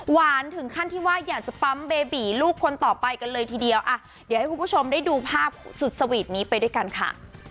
ถึงขั้นที่ว่าอยากจะปั๊มเบบีลูกคนต่อไปกันเลยทีเดียวอ่ะเดี๋ยวให้คุณผู้ชมได้ดูภาพสุดสวีทนี้ไปด้วยกันค่ะ